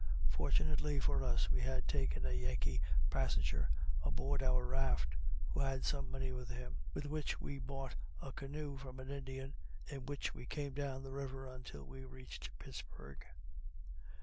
Fortunately for us, we had taken a Yankee passenger aboard our raft, who had some money with him, with which we bought a canoe from an Indian in which we came down the river until we reached Pittsburg.